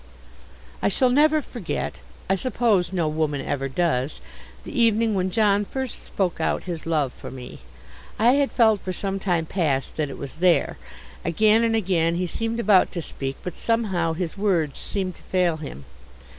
I shall never forget I suppose no woman ever does the evening when John first spoke out his love for me. I had felt for some time past that it was there. Again and again, he seemed about to speak. But somehow his words seemed to fail him.